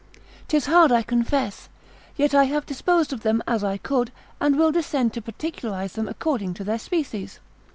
'Tis hard I confess, yet I have disposed of them as I could, and will descend to particularise them according to their species.